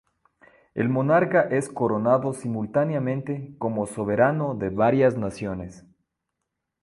El monarca es coronado simultáneamente como soberano de varias naciones.